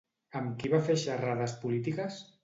Amb qui va fer xerrades polítiques?